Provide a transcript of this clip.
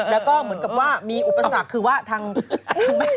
แล้วก็เหมือนกับว่ามีอุปสรรคคือว่าทางนี้